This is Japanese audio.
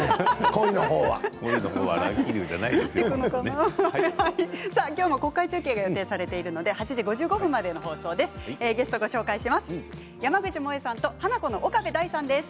今日も国会中継が予定されているので８時５５分までの放送です。